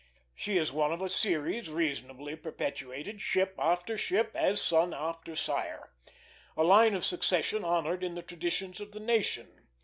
She is one of a series reasonably perpetuated, ship after ship, as son after sire; a line of succession honored in the traditions of the nation.